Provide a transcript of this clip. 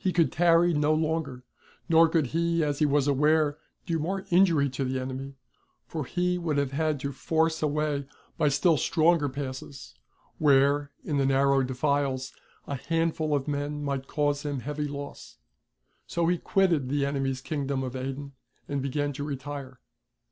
could tarry no longer, nor could he, as he was aware, do more injury to the enemy ; for he would have had to force a way by still stronger passes, where, in the narrow defiles, a handful of men might cause him heavy loss. So he quitted the enemy's Kingdom of Aden and began to retire.